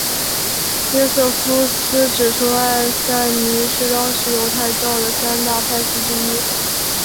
约瑟夫斯指出艾赛尼是当时犹太教的三大派系之一。